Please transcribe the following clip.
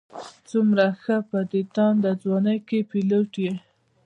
څومره ښه په دې تانده ځوانۍ کې پيلوټ یې.